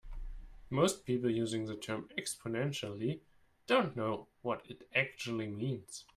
Most people using the term "exponentially" don't know what it actually means.